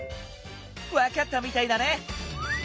わかったみたいだね！